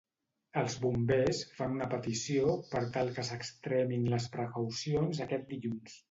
Els Bombers fan una petició per tal que s'extremin les precaucions aquest dilluns.